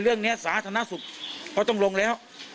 เรื่องนี้สาธารณสุขเขาต้องลงแล้ว